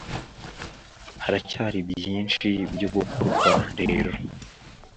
Haracyari byinshi byo gukorwa rero